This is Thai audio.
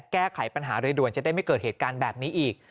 แก้ไขปัญหาโดยด่วนจะได้ไม่เกิดเหตุการณ์แบบนี้อีก